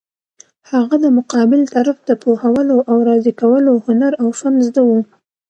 هغه د مقابل طرف د پوهولو او راضي کولو هنر او فن زده وو.